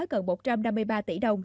gần một trăm năm mươi ba tỷ đồng